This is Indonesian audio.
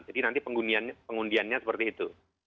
jadi nanti pengundiannya seperti itu